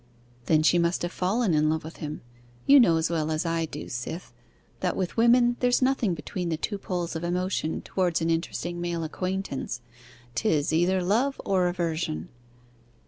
'Then she must have fallen in love with him. You know as well as I do, Cyth, that with women there's nothing between the two poles of emotion towards an interesting male acquaintance. 'Tis either love or aversion.